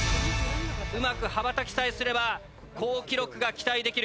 上手く羽ばたきさえすれば好記録が期待できる。